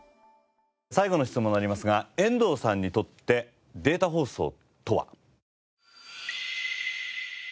最後の質問になりますが遠藤さんにとってデータ放送とは。